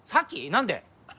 何で？